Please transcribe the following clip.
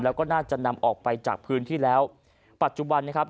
แล้วก็น่าจะนำออกไปจากพื้นที่แล้วปัจจุบันนะครับ